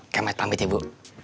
kemet pamit ya bu